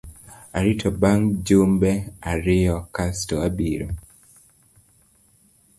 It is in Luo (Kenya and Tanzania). Arito bang’ jumbe ariyo kasto abiro.